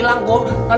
kalau bisa pein